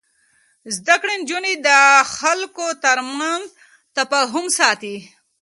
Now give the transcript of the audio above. زده کړې نجونې د خلکو ترمنځ تفاهم ساتي.